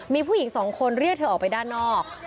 มีผู้หญิงสองคนเรียกเธอออกไปด้านนอก